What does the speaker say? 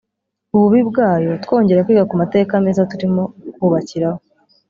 ububi bwayo twongera kwiga ku mateka meza turimo kubakiraho